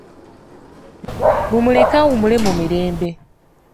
Mumuleke awummule mirembe.